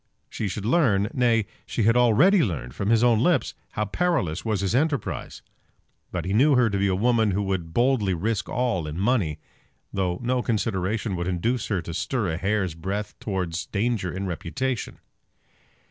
She should learn, nay, she had already learned from his own lips, how perilous was his enterprise. But he knew her to be a woman who would boldly risk all in money, though no consideration would induce her to stir a hair's breadth towards danger in reputation.